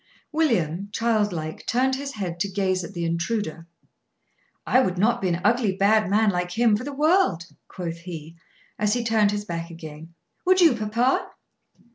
William, child like, turned his head to gaze at the intruder. "I would not be an ugly bad man like him for the world," quoth he, as he turned his back again. "Would you, papa?"